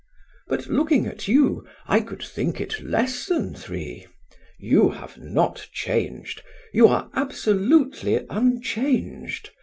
But looking at you, I could think it less than three. You have not changed. You are absolutely unchanged.